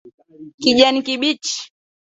kijani kibichi